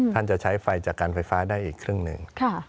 จะใช้ไฟจากการไฟฟ้าได้อีกครึ่งหนึ่ง